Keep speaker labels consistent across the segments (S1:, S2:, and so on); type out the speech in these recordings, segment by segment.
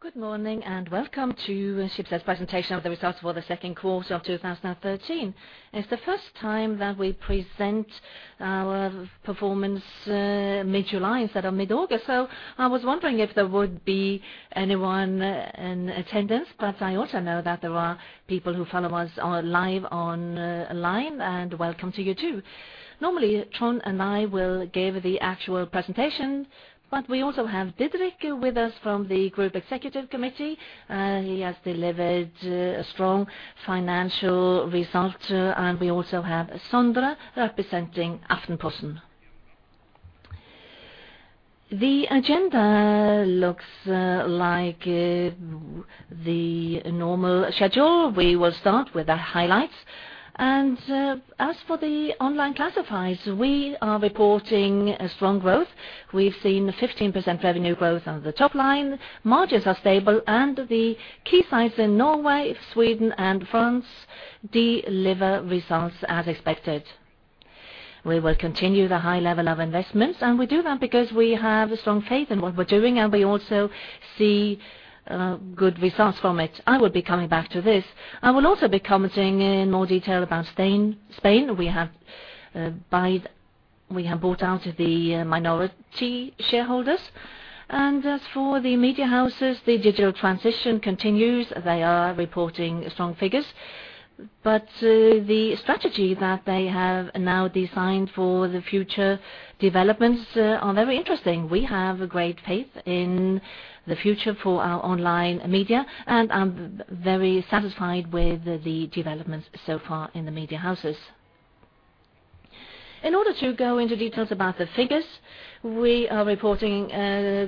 S1: Good morning, welcome to Schibsted's presentation of the results for the Q2 of 2013. It's the first time that we present our performance, mid-July instead of mid-August. I was wondering if there would be anyone in attendance, I also know that there are people who follow us live online, welcome to you, too. Normally, Trond and I will give the actual presentation, we also have Didrik with us from the Group Executive Committee. He has delivered a strong financial result, we also have Sondre representing Aftenposten. The agenda looks like the normal schedule. We will start with the highlights. As for the online classifieds, we are reporting a strong growth. We've seen 15% revenue growth on the top line. Margins are stable, the key sites in Norway, Sweden, and France deliver results as expected. We will continue the high level of investments. We do that because we have a strong faith in what we're doing, and we also see good results from it. I will be coming back to this. I will also be commenting in more detail about Spain. We have bought out the minority shareholders. As for the media houses, the digital transition continues. They are reporting strong figures. The strategy that they have now designed for the future developments are very interesting. We have a great faith in the future for our online media, and I'm very satisfied with the developments so far in the media houses. In order to go into details about the figures, we are reporting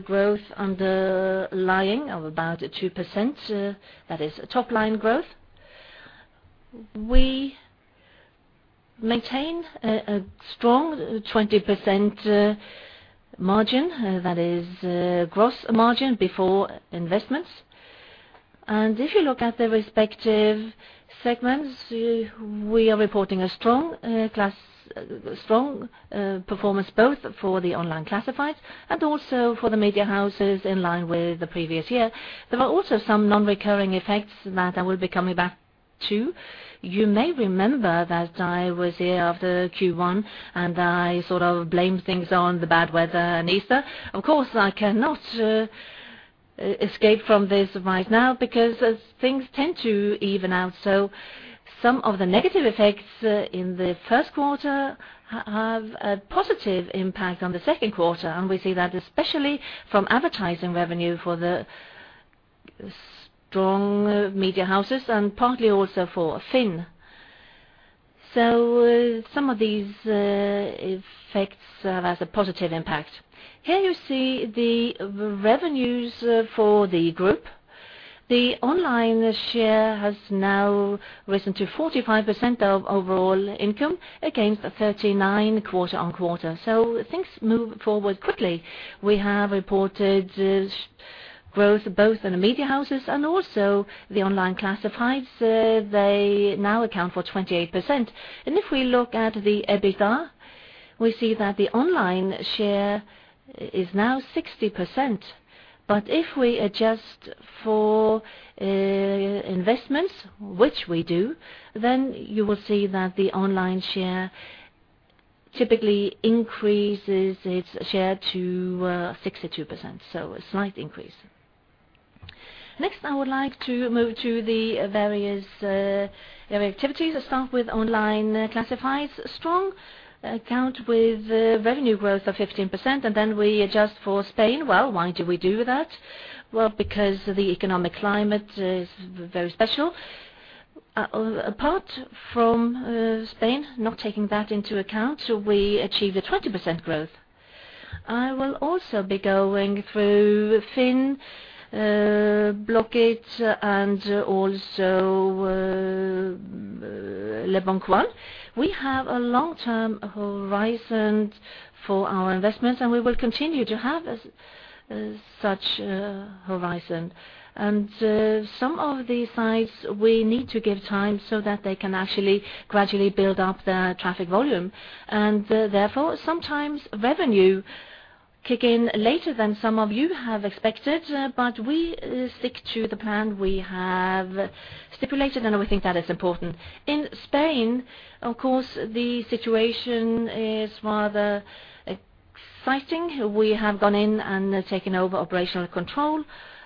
S1: growth underlying of about 2%. That is top-line growth. We maintain a strong 20% margin. That is gross margin before investments. If you look at the respective segments, we are reporting a strong performance both for the online classifieds and also for the media houses in line with the previous year. There are also some non-recurring effects that I will be coming back to. You may remember that I was here after Q1. I sort of blamed things on the bad weather and Easter. Of course, I cannot escape from this right now because as things tend to even out, some of the negative effects in the Q1 have a positive impact on the Q2. We see that especially from advertising revenue for the strong media houses and partly also for FINN. Some of these effects have as a positive impact. Here you see the revenues for the group. The online share has now risen to 45% of overall income against 39% quarter-on-quarter. Things move forward quickly. We have reported growth both in the media houses and also the online classifieds. They now account for 28%. If we look at the EBITDA, we see that the online share is now 60%. If we adjust for investments, which we do, then you will see that the online share typically increases its share to 62%, so a slight increase. Next, I would like to move to the various activities. I start with online classifieds. Strong account with revenue growth of 15%, and then we adjust for Spain. Well, why do we do that? Well, because the economic climate is very special. Apart from Spain, not taking that into account, we achieved a 20% growth. I will also be going through FINN, Blocket, and also, leboncoin. We have a long-term horizon for our investments, and we will continue to have such a horizon. Some of these sites we need to give time so that they can actually gradually build up their traffic volume. Therefore, sometimes revenue kick in later than some of you have expected, but we stick to the plan we have stipulated, and we think that is important. In Spain, of course, the situation is rather exciting. We have gone in and taken over operational control.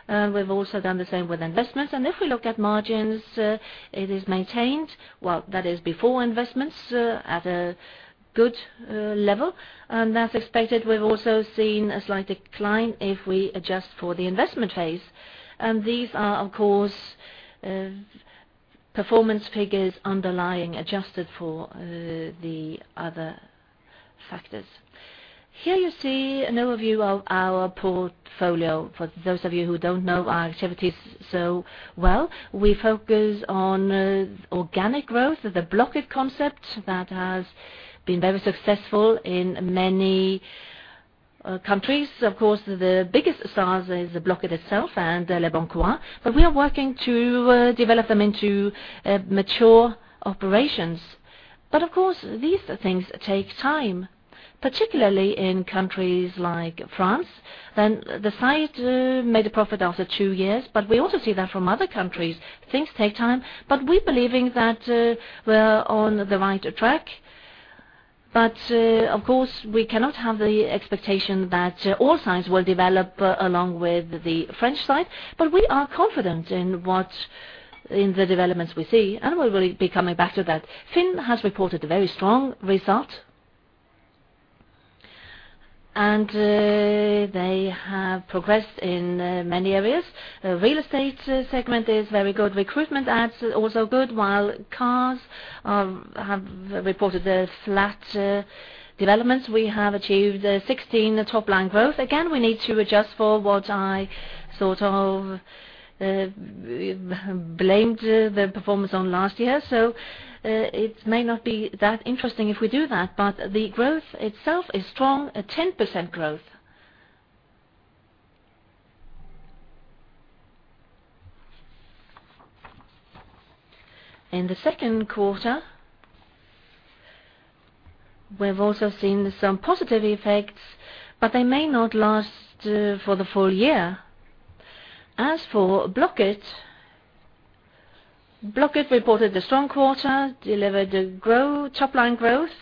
S1: We've also done the same with investments. If we look at margins, it is maintained. Well, that is before investments at a good level. As expected, we've also seen a slight decline if we adjust for the investment Phase. These are of course, performance figures underlying adjusted for the other factors. Here you see an overview of our portfolio. For those of you who don't know our activities so well, we focus on organic growth of the Blocket concept that has been very successful in many countries, of course, the biggest stars is the Blocket itself and leboncoin, but we are working to develop them into mature operations. Of course, these things take time, particularly in countries like France. The site made a profit after two years, but we also see that from other countries, things take time, but we're believing that we're on the right track. Of course, we cannot have the expectation that all sites will develop along with the French site, but we are confident in the developments we see, and we will be coming back to that. FINN has reported a very strong result. They have progressed in many areas. The real estate segment is very good. Recruitment ads also good, while cars have reported a flat development. We have achieved 16% top line growth. Again, we need to adjust for what I sort of blamed the performance on last year. It may not be that interesting if we do that, but the growth itself is strong, a 10% growth. In the Q2, we have also seen some positive effects, but they may not last for the full year. As for Blocket reported a strong quarter, delivered a top line growth.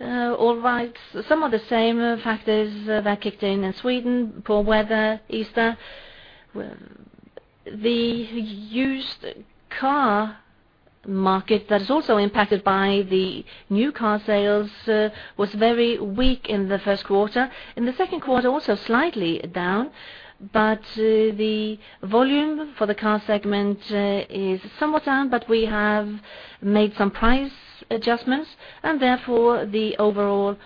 S1: All right. Some of the same factors that kicked in in Sweden, poor weather, Easter. The used car market that is also impacted by the new car sales, was very weak in the Q1. In the Q2, also slightly down, but the volume for the car segment is somewhat down, but we have made some price adjustments, and therefore the overall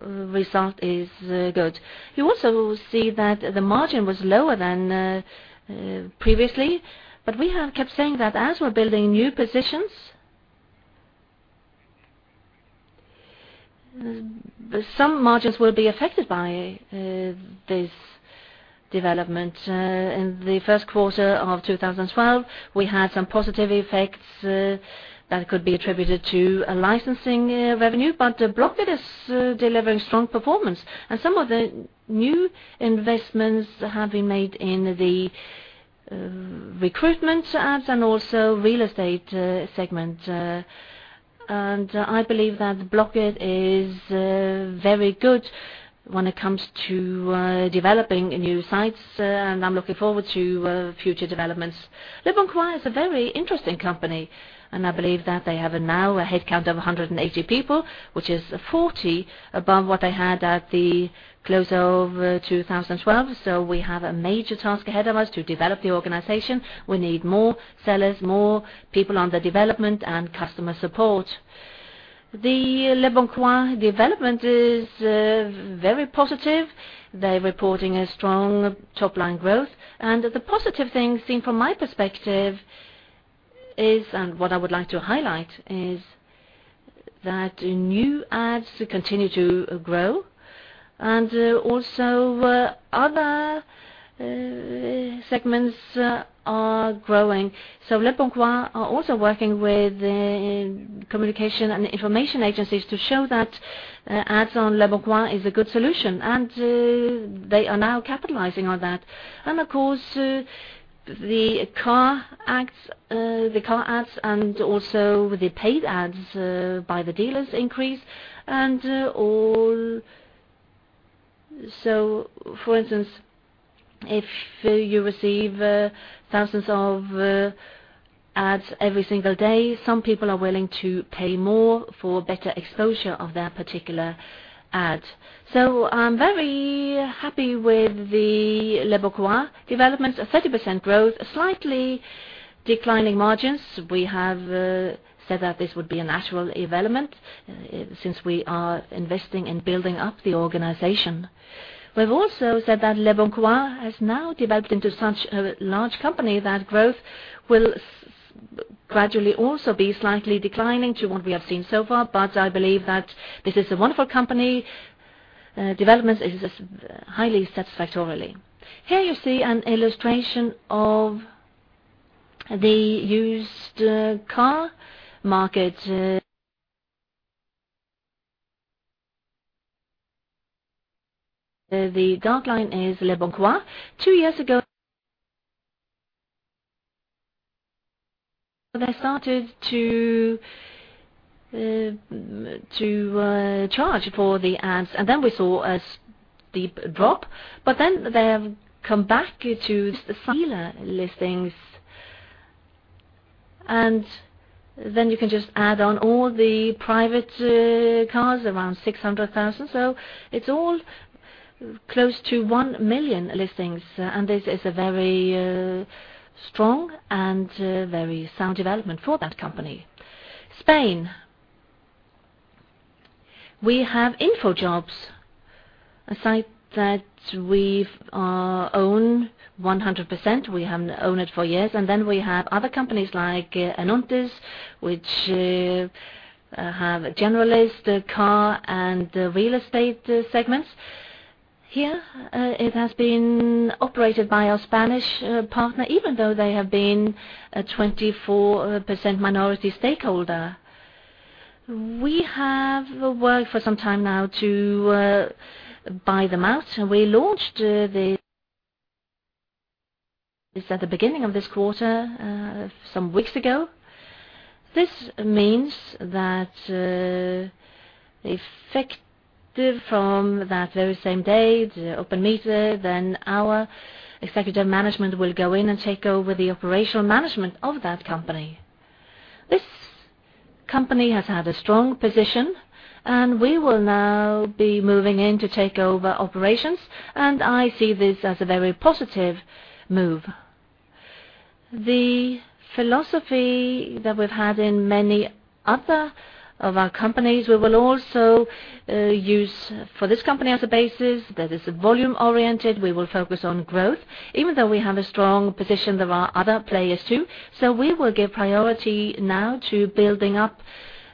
S1: result is good. You also see that the margin was lower than previously, but we have kept saying that as we're building new positions some margins will be affected by this development. In the Q1 of 2012, we had some positive effects that could be attributed to a licensing revenue, but Blocket is delivering strong performance. Some of the new investments have been made in the recruitment ads and also real estate segment. I believe that Blocket is very good when it comes to developing new sites, and I'm looking forward to future developments. Leboncoin is a very interesting company, and I believe that they have now a headcount of 180 people, which is 40 above what they had at the close of 2012. We have a major task ahead of us to develop the organization. We need more sellers, more people on the development and customer support. The Leboncoin development is very positive. They're reporting a strong top line growth. The positive thing seen from my perspective is, and what I would like to highlight is that new ads continue to grow and also other segments are growing. leboncoin are also working with communication and information agencies to show that ads on leboncoin is a good solution, and they are now capitalizing on that. Of course, the car ads, and also the paid ads by the dealers increase and all. For instance, if you receive thousands of ads every single day, some people are willing to pay more for better exposure of their particular ad. I'm very happy with the leboncoin developments, a 30% growth, slightly declining margins. We have said that this would be a natural development since we are investing in building up the organization. We've also said that leboncoin has now developed into such a large company that growth will gradually also be slightly declining to what we have seen so far. I believe that this is a wonderful company. Development is highly satisfactorily. Here you see an illustration of the used car market. The dark line is leboncoin. 2 years ago, they started to charge for the ads, and then we saw a steep drop, but then they have come back to just the seller listings. You can just add on all the private cars, around 600,000. It's all close to 1 million listings, and this is a very strong and very sound development for that company. Spain. We have InfoJobs, a site that we've own 100%. We have owned it for years. We have other companies like Anuntis, which have a generalist car and real estate segments. Here, it has been operated by our Spanish partner, even though they have been a 24% minority stakeholder. We have worked for some time now to buy them out, and we launched this at the beginning of this quarter, some weeks ago. This means that effective from that very same day, the open meeting, then our executive management will go in and take over the operational management of that company. This company has had a strong position, and we will now be moving in to take over operations, and I see this as a very positive move. The philosophy that we've had in many other of our companies, we will also use for this company as a basis that is volume-oriented. We will focus on growth. Even though we have a strong position, there are other players, too. We will give priority now to building up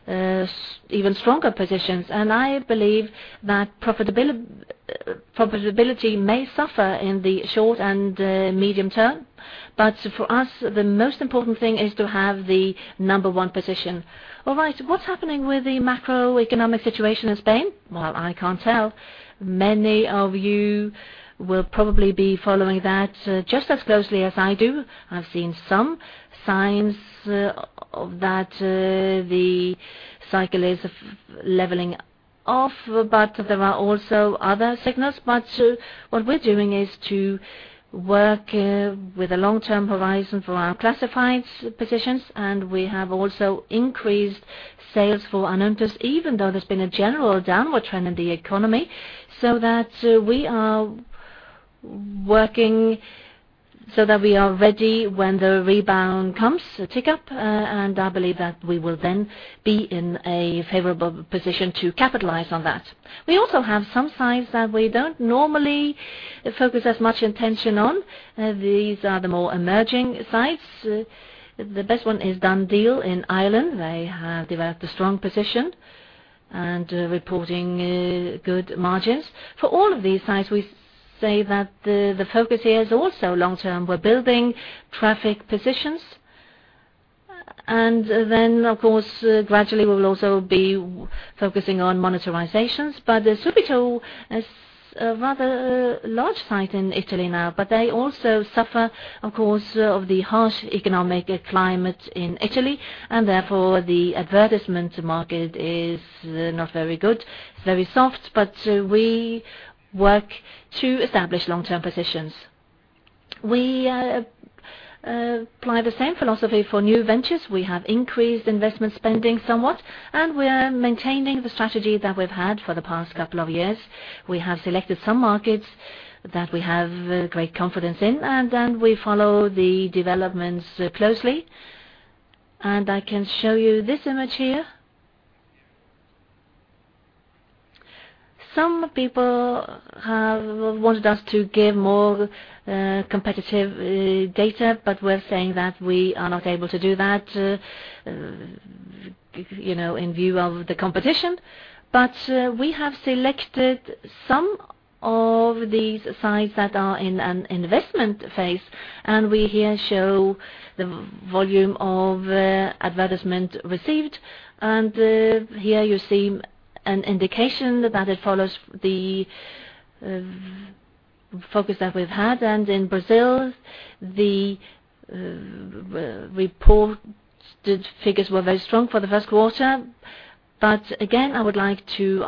S1: even stronger positions. I believe that profitability may suffer in the short and medium term. For us, the most important thing is to have the number 1 position. All right. What's happening with the macroeconomic situation in Spain? Well, I can't tell. Many of you will probably be following that just as closely as I do. I've seen some signs of that the cycle is leveling off, there are also other signals. What we're doing is to work with a long-term horizon for our classifieds positions, and we have also increased sales for Annons even though there's been a general downward trend in the economy. That we are working so that we are ready when the rebound comes, the tick-up, I believe that we will then be in a favorable position to capitalize on that. We also have some signs that we don't normally focus as much attention on. These are the more emerging sites. The best one is DoneDeal in Ireland. They have developed a strong position and are reporting good margins. For all of these sites, we say that the focus here is also long term. We're building traffic positions. Of course, gradually we will also be focusing on monetizations. Subito is a rather large site in Italy now, but they also suffer, of course, of the harsh economic climate in Italy, and therefore the advertisement market is not very good. It's very soft, but we work to establish long-term positions. We apply the same philosophy for new ventures. We have increased investment spending somewhat, and we are maintaining the strategy that we've had for the past couple of years. We have selected some markets that we have great confidence in. Then we follow the developments closely. I can show you this image here. Some people have wanted us to give more competitive data. We're saying that we are not able to do that in view of the competition. We have selected some of these sites that are in an investment Phase. We here show the volume of advertisement received. Here you see an indication that it follows the focus that we've had. In Brazil, the reported figures were very strong for the Q1. Again, I would like to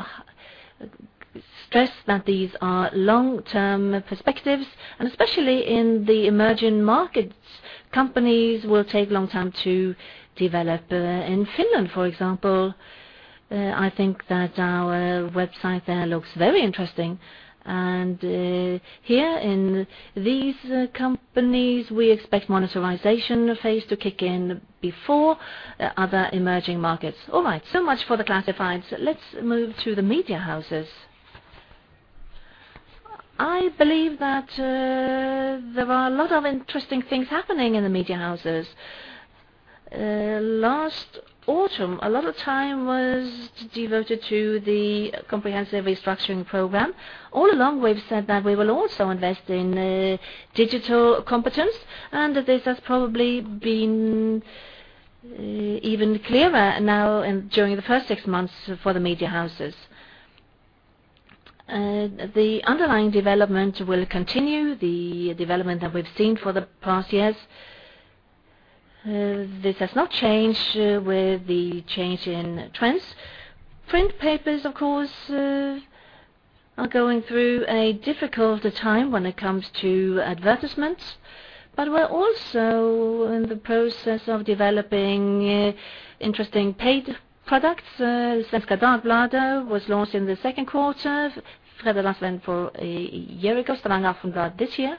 S1: stress that these are long-term perspectives, especially in the emerging markets, companies will take a long time to develop. In Finland, for example, I think that our website there looks very interesting. Here in these companies, we expect monetization Phase to kick in before other emerging markets. All right. So much for the classifieds. Let's move to the media houses. I believe that there are a lot of interesting things happening in the media houses. Last autumn, a lot of time was devoted to the comprehensive restructuring program. All along, we've said that we will also invest in digital competence, and this has probably been even clearer now and during the first six months for the media houses. The underlying development will continue, the development that we've seen for the past years. This has not changed with the change in trends. Print papers, of course, are going through a difficult time when it comes to advertisements, but we're also in the process of developing interesting paid products. Svenska Dagbladet was launched in the Q2. Fædrelandsvennen a year ago. Stavanger Aftenblad this year.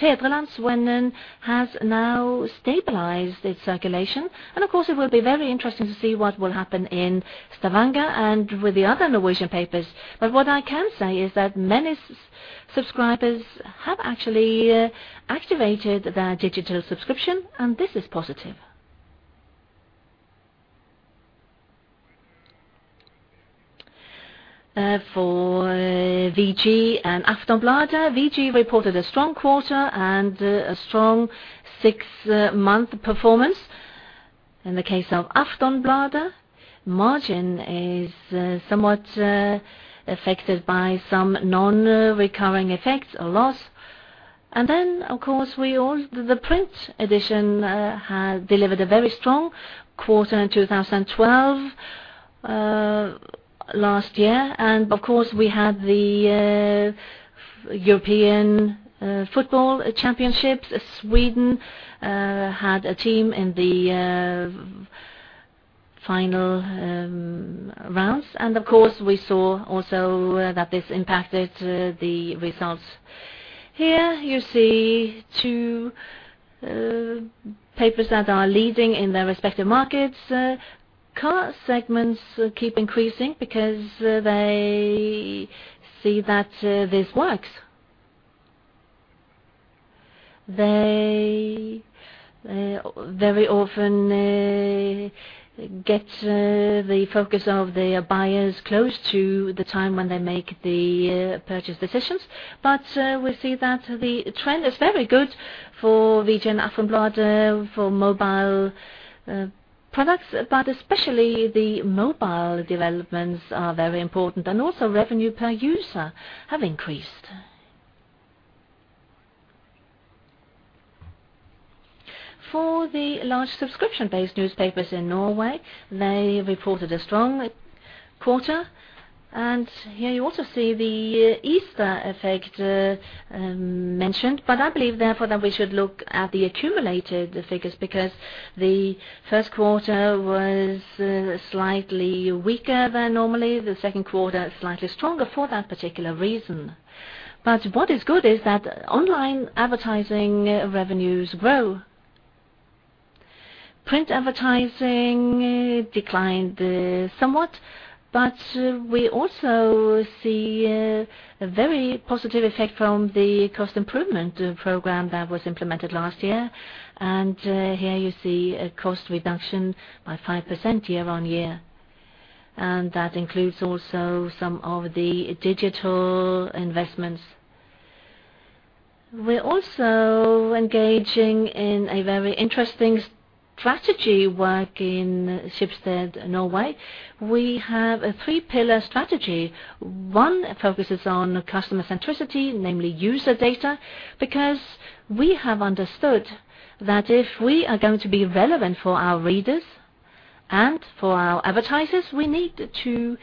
S1: Fædrelandsvennen has now stabilized its circulation. Of course, it will be very interesting to see what will happen in Stavanger and with the other Norwegian papers. What I can say is that many subscribers have actually activated their digital subscription, and this is positive. For VG and Aftonbladet. VG reported a strong quarter and a strong 6-month performance. In the case of Aftonbladet, margin is somewhat affected by some non-recurring effects or loss. Of course, the print edition had delivered a very strong quarter in 2012 last year. Of course, we had the European Football Championships. Sweden had a team in the final rounds. Of course, we saw also that this impacted the results. Here you see two papers that are leading in their respective markets. Car segments keep increasing because they see that this works. They very often get the focus of their buyers close to the time when they make the purchase decisions. We see that the trend is very good for VG and Aftonbladet for mobile products. Especially the mobile developments are very important, and also revenue per user have increased. For the large subscription-based newspapers in Norway, they reported a strong quarter. Here you also see the Easter effect mentioned. I believe therefore that we should look at the accumulated figures because the Q1 was slightly weaker than normally, the Q2 is slightly stronger for that particular reason. What is good is that online advertising revenues grow. Print advertising declined somewhat, but we also see a very positive effect from the cost improvement program that was implemented last year. Here you see a cost reduction by 5% year-on-year. That includes also some of the digital investments. We're also engaging in a very interesting strategy work in Schibsted Norway. We have a three-pillar strategy. One focuses on customer centricity, namely user data, because we have understood that if we are going to be relevant for our readers and for our advertisers, we need to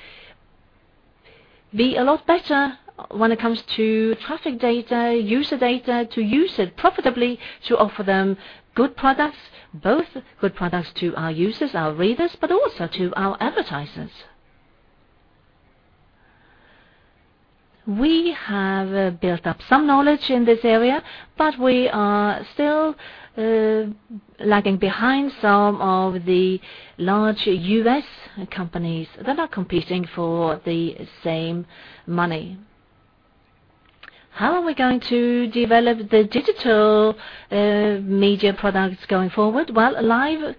S1: be a lot better when it comes to traffic data, user data, to use it profitably to offer them good products, both good products to our users, our readers, but also to our advertisers. We have built up some knowledge in this area, but we are still lagging behind some of the large US companies that are competing for the same money. How are we going to develop the digital media products going forward? Well, live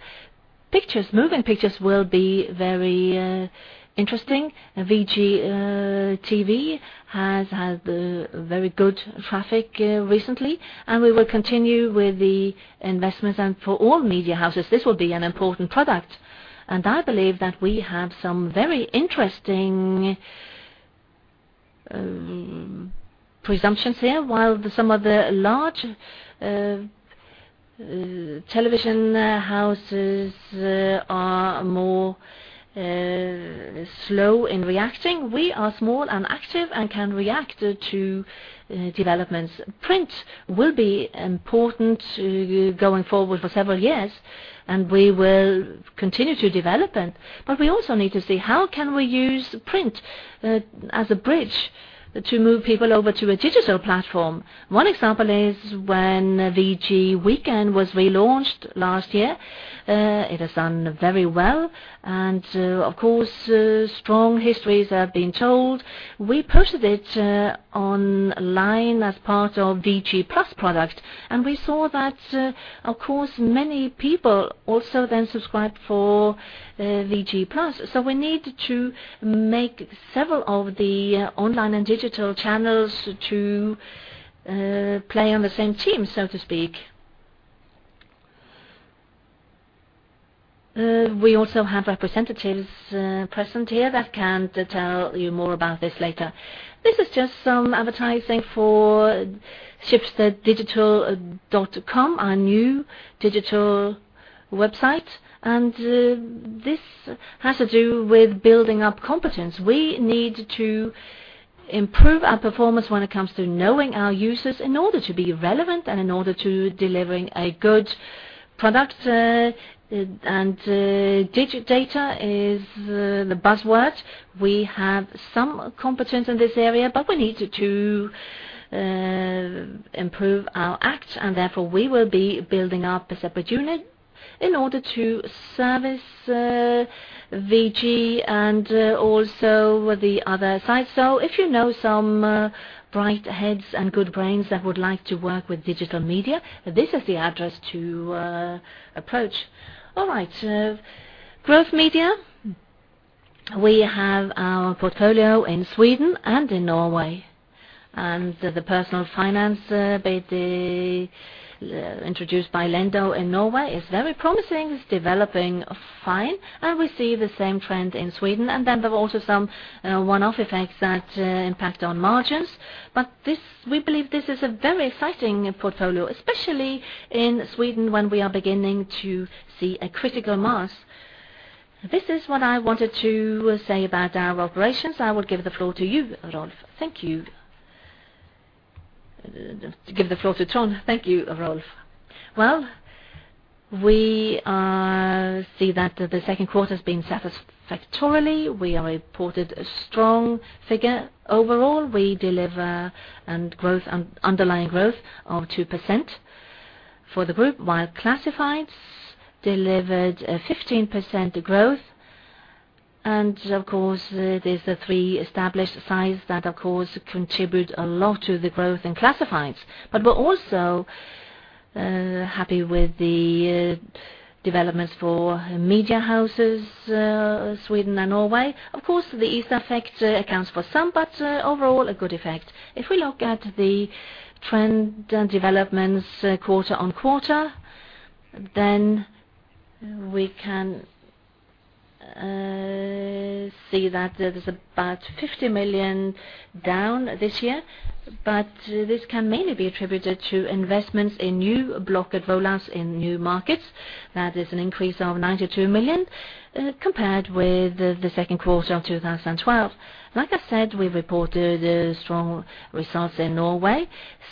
S1: pictures, moving pictures will be very interesting. VGTV has had very good traffic recently. We will continue with the investments. For all media houses, this will be an important product. I believe that we have some very interesting presumptions here. While some of the large television houses are more slow in reacting, we are small and active and can react to developments. Print will be important going forward for several years, and we will continue to develop it. We also need to see how can we use print as a bridge to move people over to a digital platform. One example is when VG Weekend was relaunched last year. It has done very well. Of course, strong histories have been told. We posted it online as part of VG Plus product, and we saw that, of course, many people also then subscribed for VG Plus. We need to make several of the online and digital channels to play on the same team, so to speak. We also have representatives present here that can tell you more about this later. This is just some advertising for schibsteddigital.com, our new digital website. This has to do with building up competence. We need to improve our performance when it comes to knowing our users in order to be relevant and in order to delivering a good product. Digi-data is the buzzword. We have some competence in this area, but we need to improve our act, and therefore, we will be building up a separate unit in order to service VG and also the other sites. If you know some bright heads and good brains that would like to work with digital media, this is the address to approach. All right. Growth Media. We have our portfolio in Sweden and in Norway. The personal finance introduced by Lendo in Norway is very promising. It's developing fine. We see the same trend in Sweden. There are also some one-off effects that impact on margins.
S2: We believe this is a very exciting portfolio, especially in Sweden, when we are beginning to see a critical mass. This is what I wanted to say about our operations. I will give the floor to you, Rolf. Thank you. To give the floor to Trond. Thank you, Rolf. Well, we see that the Q2's been satisfactorily. We are reported a strong figure.
S1: Overall we deliver underlying growth of 2% for the group, while classifieds delivered a 15% growth. Of course, there's the three established sites that of course contribute a lot to the growth in classifieds. We're also happy with the developments for media houses, Sweden and Norway. Of course, the Easter effect accounts for some, overall a good effect. If we look at the trend and developments quarter-on-quarter, we can see that there's about 50 million down this year. This can mainly be attributed to investments in new Blocket Verticals in new markets. That is an increase of 92 million compared with the Q2 of 2012. Like I said, we reported strong results in Norway.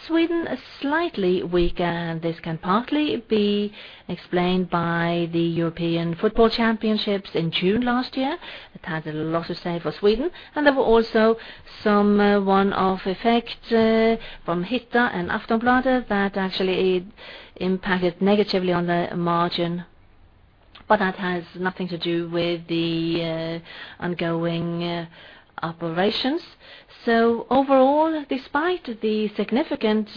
S1: Sweden is slightly weaker. This can partly be explained by the UEFA European Football Championship in June last year. It had a lot to say for Sweden. There were also some one-off effect from Hitta and Aftonbladet that actually impacted negatively on the margin. That has nothing to do with the ongoing operations. Overall, despite the significant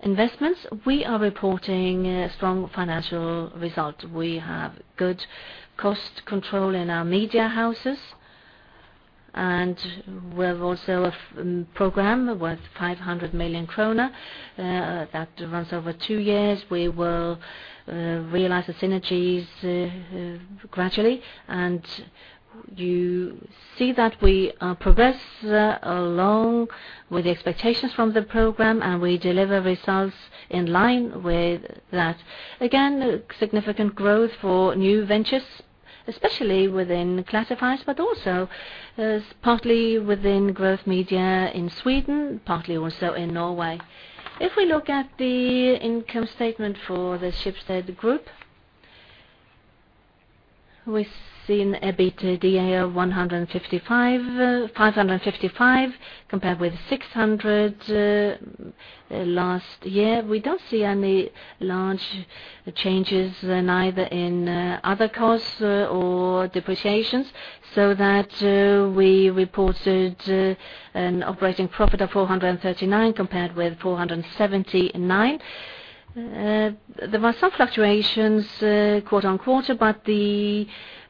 S1: investments, we are reporting a strong financial result. We have good cost control in our media houses. We have also a program worth 500 million kronor that runs over two years. We will realize the synergies gradually. You see that we are progress along with the expectations from the program, and we deliver results in line with that. Significant growth for new ventures, especially within classifieds, but also partly within Growth Media in Sweden, partly also in Norway. If we look at the income statement for the Schibsted group, we're seeing a EBITDA of 555 compared with 600 last year. We don't see any large changes, neither in other costs or depreciations, so that we reported an operating profit of 439 compared with 479. There were some fluctuations quarter-on-quarter, but the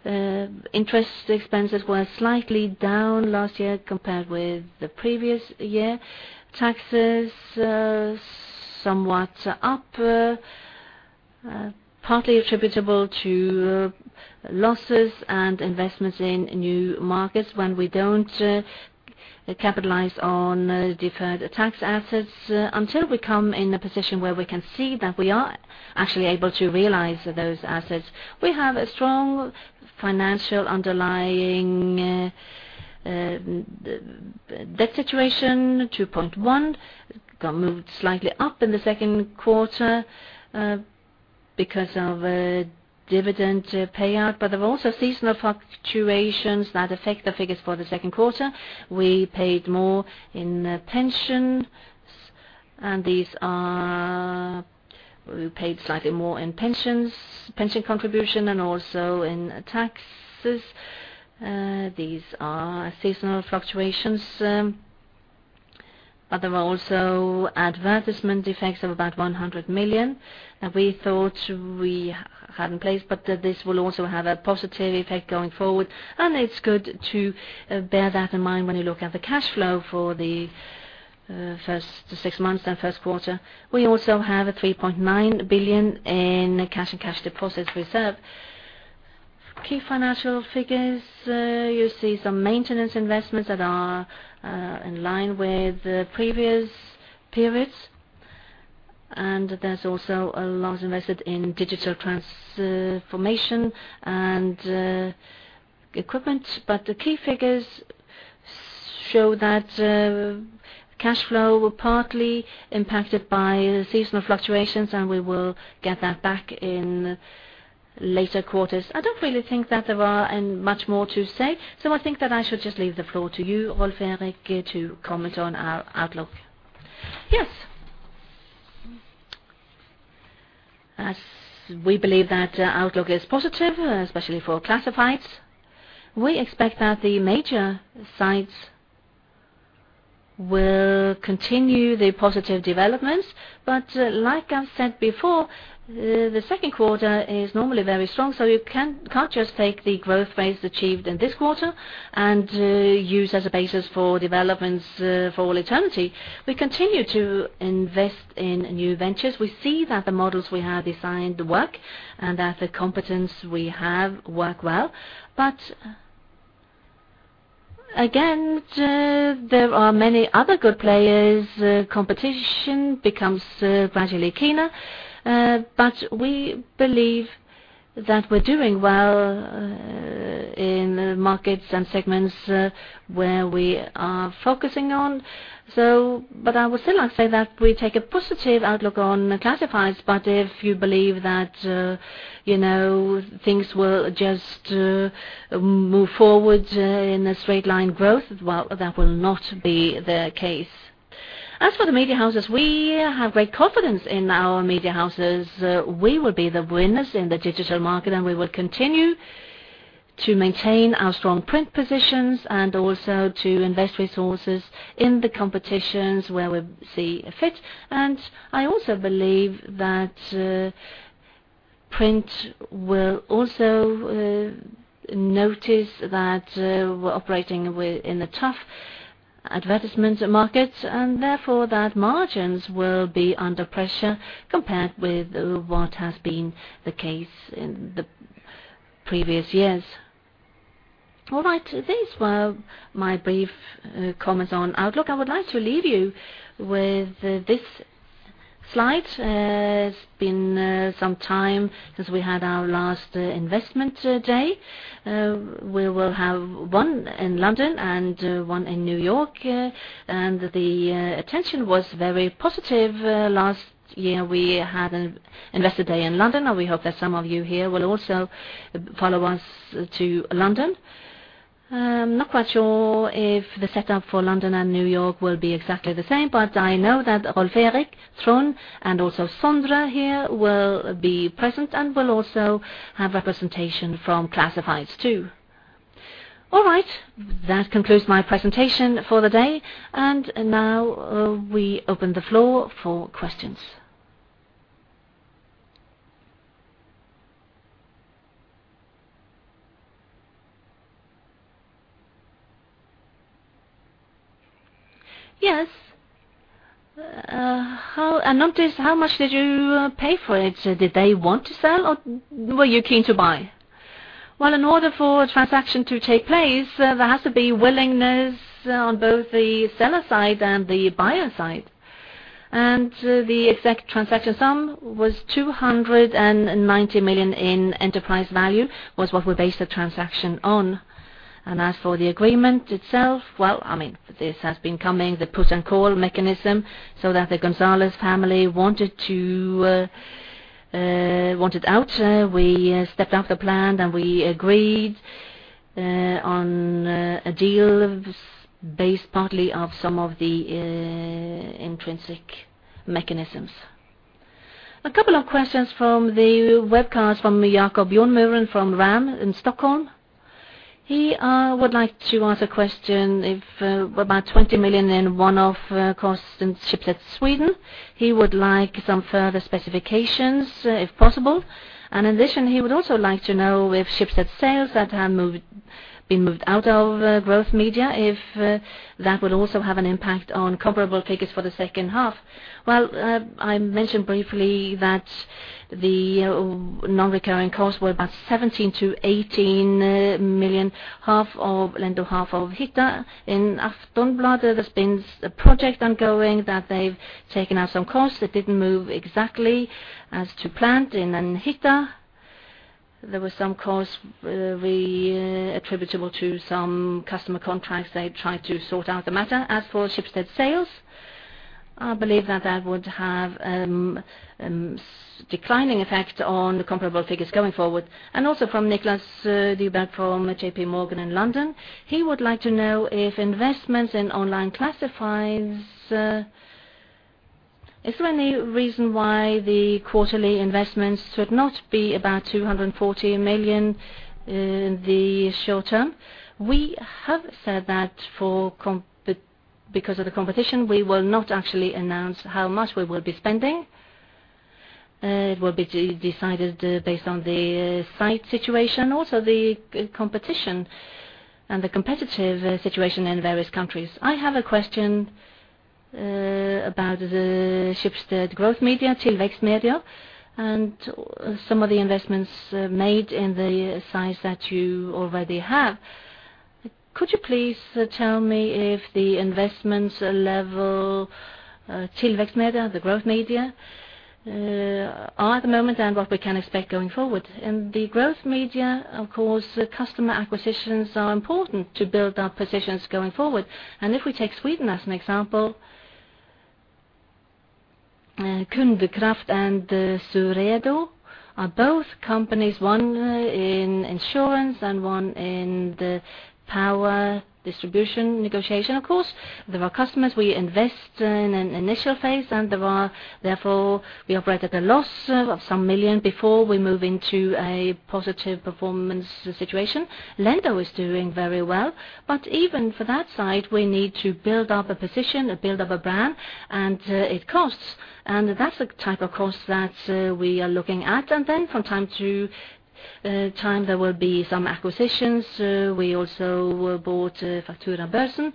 S1: interest expenses were slightly down last year compared with the previous year. Taxes, somewhat up, partly attributable to losses and investments in new markets when we don't capitalize on deferred tax assets, until we come in a position where we can see that we are actually able to realize those assets. We have a strong financial underlying debt situation, 2.1. Got moved slightly up in the Q2, because of a dividend payout. There were also seasonal fluctuations that affect the figures for the Q2. We paid slightly more in pensions, pension contribution and also in taxes. These are seasonal fluctuations, but there were also advertisement effects of about 100 million that we thought we had in place. This will also have a positive effect going forward. It's good to bear that in mind when you look at the cash flow for the first six months and Q1. We also have 3.9 billion in cash and cash deposits reserve. Key financial figures, you see some maintenance investments that are in line with the previous periods, there's also a lot invested in digital transformation and equipment. The key figures show that cash flow were partly impacted by seasonal fluctuations, we will get that back in later quarters. I don't really think that there are much more to say, I think that I should just leave the floor to you, Rolf Eriksen, to comment on our outlook. Yes. As we believe that outlook is positive, especially for classifieds, we expect that the major sites will continue the positive developments. Like I've said before, the Q2 is normally very strong, so you can't just take the growth rates achieved in this quarter and use as a basis for developments for all eternity. We continue to invest in new ventures. We see that the models we have designed work and that the competence we have work well. Again, there are many other good players. Competition becomes gradually keener. We believe that we're doing well in markets and segments where we are focusing on. I would still like to say that we take a positive outlook on classifieds, but if you believe that things will just move forward in a straight line growth, well, that will not be the case. As for the media houses, we have great confidence in our media houses. We will be the winners in the digital market, we will continue to maintain our strong print positions and also to invest resources in the competitions where we see fit. I also believe that print will also notice that we're operating in a tough advertisement market, and therefore, that margins will be under pressure compared with what has been the case in the previous years. All right, these were my brief comments on outlook. I would like to leave you with this slide. It's been some time since we had our last investment day. We will have one in London and one in New York. The attention was very positive. Last year, we had an investor day in London, and we hope that some of you here will also follow us to London. I'm not quite sure if the setup for London and New York will be exactly the same, but I know that Rolf Erik, Trond, and also Sondre here will be present, and we'll also have representation from classifieds, too. All right, that concludes my presentation for the day. Now we open the floor for questions.
S3: Yes? Anuntis, how much did you pay for it? Did they want to sell, or were you keen to buy?
S1: Well, in order for a transaction to take place, there has to be willingness on both the seller side and the buyer side. The exact transaction sum was 290 million in enterprise value was what we based the transaction on. As for the agreement itself, well, I mean, this has been coming, the put and call mechanism, so that the González family wanted to wanted out. We stepped up the plan. We agreed on a deal based partly of some of the intrinsic mechanisms. A couple of questions from the webcast from Jakob Birgmo from RAM in Stockholm. He would like to ask a question if about 20 million in one-off costs in Schibsted Sweden. He would like some further specifications, if possible. In addition, he would also like to know if Schibsted Sales that have been moved out of Growth Media, if that would also have an impact on comparable figures for the second half. Well, I mentioned briefly that the non-recurring costs were about 17 million-18 million, half of Lendo, half of Hitta. In Aftonbladet, there's been a project ongoing that they've taken out some costs that didn't move exactly as to plan. In Hitta, there were some costs attributable to some customer contracts. They tried to sort out the matter. As for Schibsted sales, I believe that that would have a declining effect on the comparable figures going forward.
S3: Also from Niklas Dehning from JP Morgan in London. He would like to know if investments in online classifieds. Is there any reason why the quarterly investments should not be about 240 million in the short term?
S1: We have said that because of the competition, we will not actually announce how much we will be spending. It will be decided based on the site situation, also the competition and the competitive situation in various countries. I have a question about the Schibsted Growth Media, Tillväxtmedia, and some of the investments made in the sites that you already have.
S3: Could you please tell me if the investments level, Tillväxtmedia, the Growth Media, are at the moment and what we can expect going forward?
S1: In the Growth Media, of course, customer acquisitions are important to build our positions going forward. If we take Sweden as an example, Kundkraft and Suredo are both companies, one in insurance and one in the power distribution negotiation. Of course, there are customers we invest in an initial Phase, and there are therefore, we operate at a loss of some million before we move into a positive performance situation. Lendo is doing very well, even for that side, we need to build up a position, build up a brand, and it costs. That's the type of cost that we are looking at. Then from time to time, there will be some acquisitions. We also bought Fakturabörsen,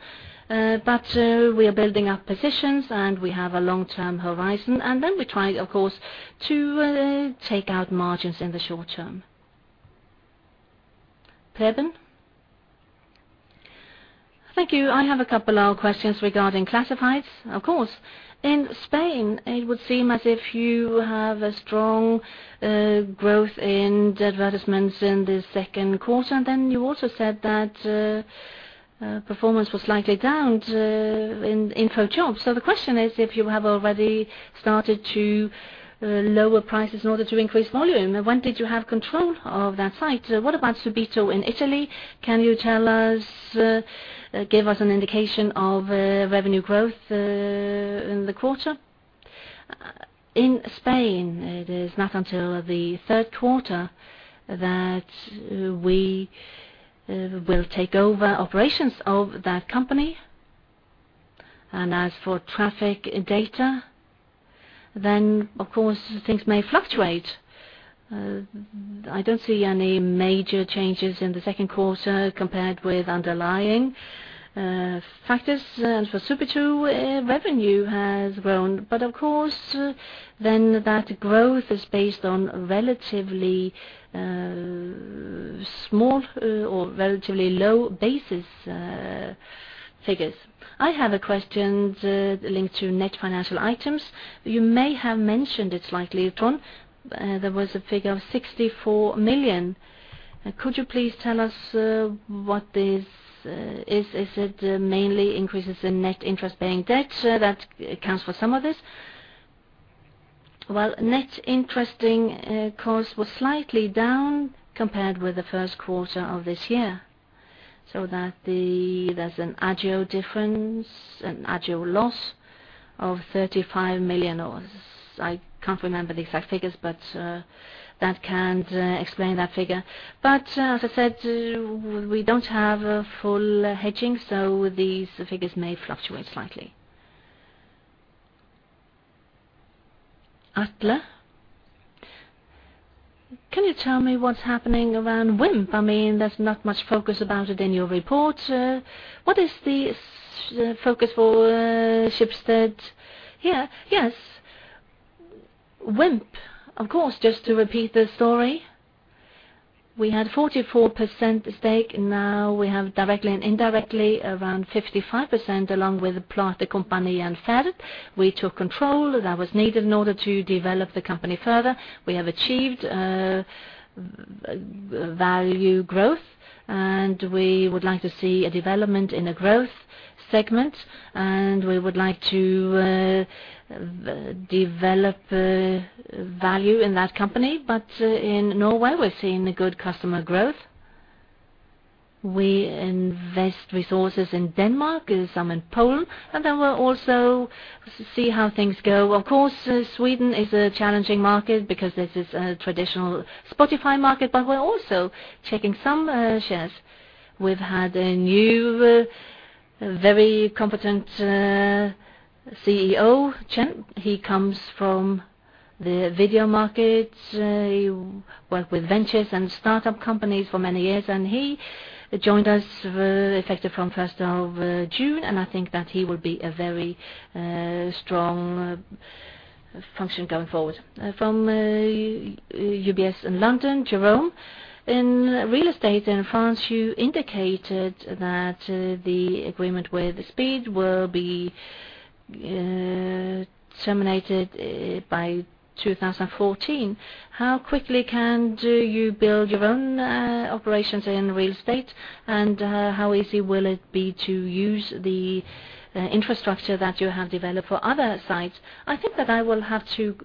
S1: but we are building up positions, and we have a long-term horizon. We try, of course, to take out margins in the short term. Preban?
S3: Thank you. I have a couple of questions regarding classifieds. Of course. In Spain, it would seem as if you have a strong growth in the advertisements in the Q2, then you also said that performance was slightly down in InfoJobs. The question is, if you have already started to lower prices in order to increase volume, when did you have control of that site? What about Subito in Italy? Can you tell us, give us an indication of revenue growth in the quarter? In Spain, it is not until the Q3 that we will take over operations of that company.
S1: As for traffic data, then of course, things may fluctuate. I don't see any major changes in the Q2 compared with underlying factors. For Subito, revenue has grown, but of course then that growth is based on relatively small or relatively low basis figures. I have a question linked to net financial items. You may have mentioned it slightly, Trond. There was a figure of 64 million. Could you please tell us what this is? Is it mainly increases in net interest-paying debt? That accounts for some of this. Net interest cost was slightly down compared with the Q1 of this year, so that there's an Agio difference, an Agio loss of 35 million, or I can't remember the exact figures, but that can't explain that figure.
S3: As I said, we don't have a full hedging, so these figures may fluctuate slightly. Atle, can you tell me what's happening around Wimdu? I mean, there's not much focus about it in your report. What is the focus for Schibsted here? Wimdu, of course, just to repeat the story. We had 44% stake, now we have directly and indirectly around 55%, along with Plate Company and Ferd.
S1: We took control that was needed in order to develop the company further. We have achieved value growth, and we would like to see a development in a growth segment, and we would like to develop value in that company. In Norway, we're seeing a good customer growth. We invest resources in Denmark, some in Poland, and then we'll also see how things go. Of course, Sweden is a challenging market because this is a traditional Spotify market. We're also taking some shares. We've had a new, very competent CEO, Chen. He comes from the video market. He worked with ventures and start-up companies for many years, and he joined us effective from first of June, and I think that he will be a very strong function going forward.
S3: From UBS in London, Jerome. In real estate in France, you indicated that the agreement with Spir will be terminated by 2014. How quickly can you build your own operations in real estate, and how easy will it be to use the infrastructure that you have developed for other sites? I think that I will have to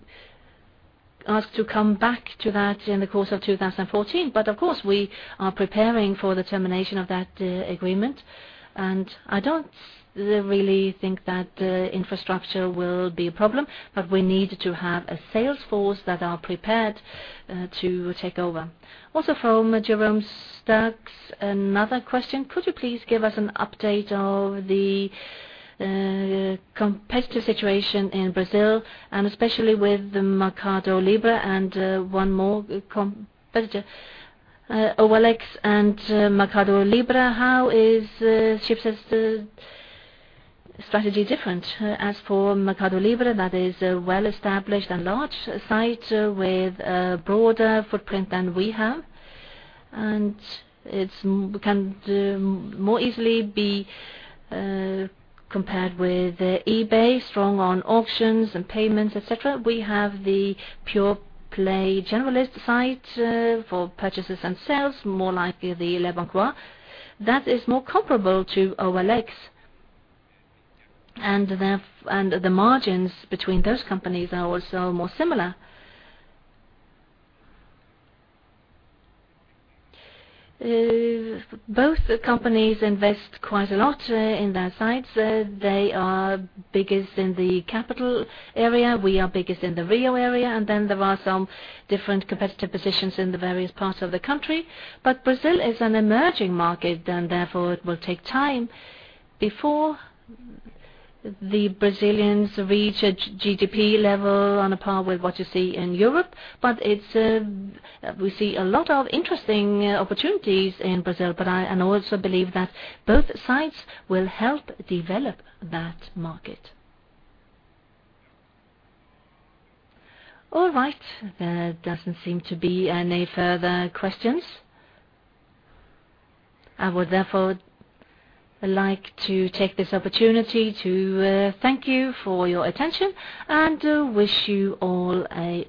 S3: ask to come back to that in the course of 2014.
S1: Of course, we are preparing for the termination of that agreement, and I don't really think that infrastructure will be a problem, but we need to have a sales force that are prepared to take over. Also from Jérôme Bodin, another question.
S3: Could you please give us an update of the competitive situation in Brazil and especially with Mercado Libre and one more competitor? OLX and Mercado Libre. How is Schibsted's strategy different?
S1: As for Mercado Libre, that is a well-established and large site with a broader footprint than we have. It can more easily be compared with eBay, strong on auctions and payments, et cetera. We have the pure play generalist site for purchases and sales, more likely the leboncoin. That is more comparable to OLX. The margins between those companies are also more similar. Both companies invest quite a lot in their sites. They are biggest in the capital area. We are biggest in the Rio area. There are some different competitive positions in the various parts of the country. Brazil is an emerging market and therefore it will take time before the Brazilians reach a GDP level on a par with what you see in Europe. We see a lot of interesting opportunities in Brazil, but also believe that both sides will help develop that market. All right. There doesn't seem to be any further questions. I would therefore like to take this opportunity to thank you for your attention and wish you all a.